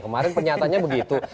kemarin pernyatanya begitu